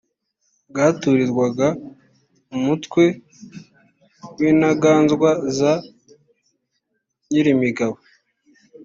bwaturirwaga umutwe w’Intaganzwa za Nyirimigabo